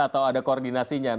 atau ada koordinasinya